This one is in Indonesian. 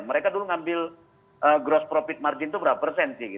mereka dulu ngambil gross profit margin itu berapa persen sih